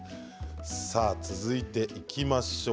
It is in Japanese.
続いていきましょう。